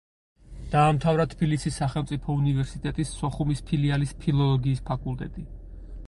დაამთავრა თბილისის სახელმწიფო უნივერსიტეტის სოხუმის ფილიალის ფილოლოგიის ფაკულტეტი.